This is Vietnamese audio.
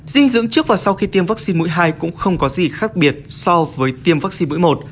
dinh dưỡng trước và sau khi tiêm vaccine mũi hai cũng không có gì khác biệt so với tiêm vaccine mũi một